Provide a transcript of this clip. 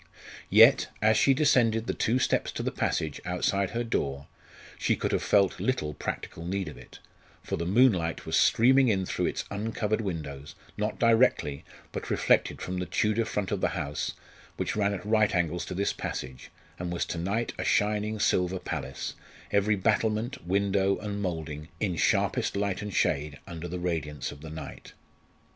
Yet, as she descended the two steps to the passage outside her door, she could have felt little practical need of it, for the moonlight was streaming in through its uncovered windows, not directly, but reflected from the Tudor front of the house which ran at right angles to this passage, and was to night a shining silver palace, every battlement, window, and moulding in sharpest light and shade under the radiance of the night.